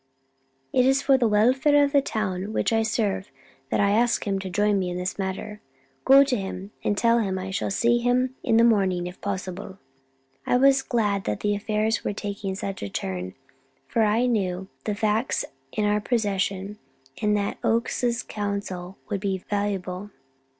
"It is for the welfare of the town which I serve that I ask him to join me in this matter. Go to him, and tell him I shall see him in the morning if possible." I was glad that affairs were taking such a turn, for I knew the facts in our possession, and that Oakes's counsel would be valuable.